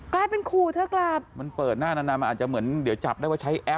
ครูเธอกลับมันเปิดหน้านานามอาจจะเหมือนเดี๋ยวจับได้ว่าใช้แอป